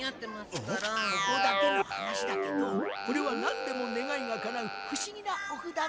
ここだけの話だけどこれはなんでもねがいがかなうふしぎなお札なんだ。